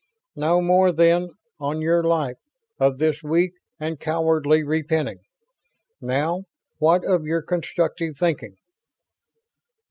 "No more, then, on your life, of this weak and cowardly repining! Now, what of your constructive thinking?"